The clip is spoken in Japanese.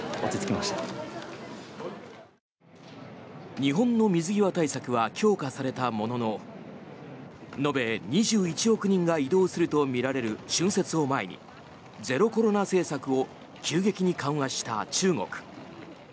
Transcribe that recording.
日本の水際対策は強化されたものの延べ２１億人が移動するとみられる春節を前にゼロコロナ政策を急激に緩和した中国。